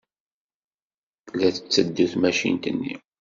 La d-tetteddu tmacint-nni.